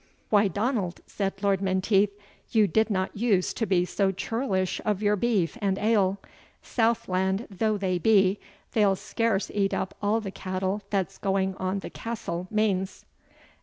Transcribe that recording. "Why, Donald," said Lord Menteith, "you did not use to be so churlish of your beef and ale; southland though they be, they'll scarce eat up all the cattle that's going on the castle mains."